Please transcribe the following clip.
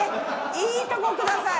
いいとこください。